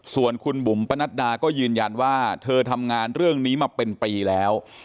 ส่วนคุณบุ๋มปนัดดาก็ยืนยันว่าเธอทำงานเรื่องนี้มาเป็นปีแล้ว